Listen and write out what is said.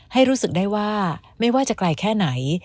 ให้รู้สึกได้ว่าไม่ว่าจะไกลแค่ไหน